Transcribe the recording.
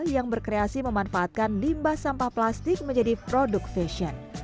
yang berkreasi memanfaatkan limbah sampah plastik menjadi produk fashion